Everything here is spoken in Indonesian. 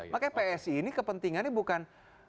makanya psi ini kepentingannya bukan